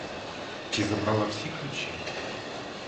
Чи забрала всі ключі?